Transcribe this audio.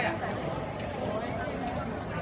มันเป็นสิ่งที่จะให้ทุกคนรู้สึกว่า